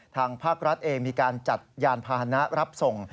ทางภาครัฐเองมีการจัดยานพาหนะรับส่ง